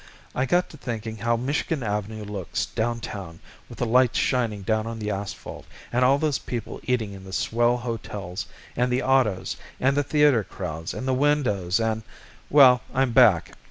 I got to thinking how Michigan Avenue looks, downtown, with the lights shining down on the asphalt, and all those people eating in the swell hotels, and the autos, and the theater crowds and the windows, and well, I'm back.